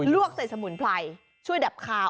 วกใส่สมุนไพรช่วยดับคาว